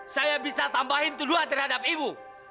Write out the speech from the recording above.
saya bisa tambahin tuduhan terhadap ibu